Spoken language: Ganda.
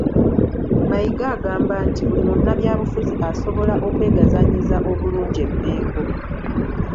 Mayiga agamba nti buli munnabyabufuzi asobola okwegazaanyiza obulungi e Mmengo